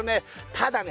ただね